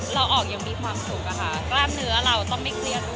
เราออกอย่างมีความสุขอะค่ะกล้ามเนื้อเราต้องไม่เครียดด้วย